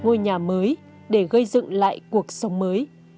ngôi nhà mới để gây dựng lại cuộc sống mới